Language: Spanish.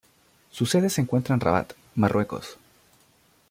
Su sede se encuentra en Rabat, Marruecos.